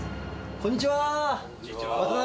こんにちは。